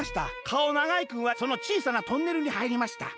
かおながいくんはそのちいさなトンネルにはいりました。